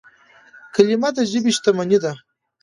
کلیمه د ژبي شتمني ده.